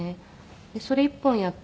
でそれ１本やって。